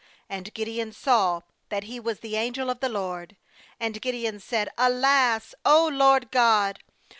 ^And Gideon saw that he was the angel of the LORD; and Gideon said: 'Alas, O Lord GOD!